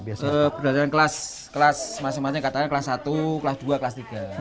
berdasarkan kelas kelas masing masing katanya kelas satu kelas dua kelas tiga